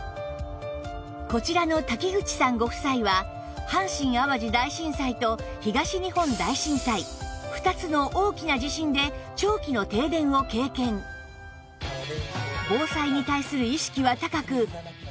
こちらの瀧口さんご夫妻は阪神・淡路大震災と東日本大震災２つの大きな地震で長期の停電を経験ですが